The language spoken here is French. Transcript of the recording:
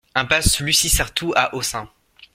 Impasse Lucie Sarthou à Ossun